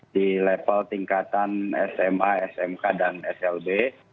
di level tingkatan sma smk dan slb